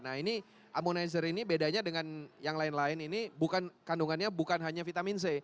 nah ini ammonizer ini bedanya dengan yang lain lain ini bukan kandungannya bukan hanya vitamin c